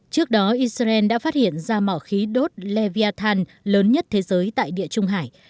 trước đó israel đã phát hiện ra mỏ khí đốt leviathan lớn nhất thế giới tại địa trung hải